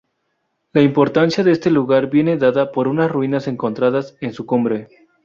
La importancia de este lugar viene dada por unas ruinas encontradas en su cumbre.